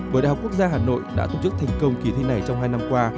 bởi đại học quốc gia hà nội đã tổ chức thành công kỳ thi này trong hai năm qua